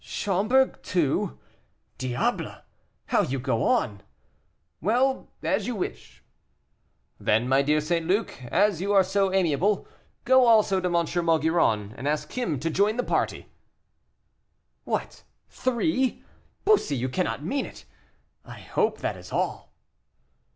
"Schomberg too? Diable, how you go on! Well, as you wish." "Then, my dear St. Luc, as you are so amiable, go also to M. Maugiron, and ask him to join the party." "What, three! Bussy, you cannot mean it. I hope that is all."